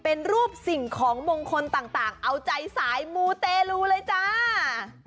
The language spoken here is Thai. เป็นรูปสิ่งของมงคลต่างเอาใจสายมูเตลูเลยจ้า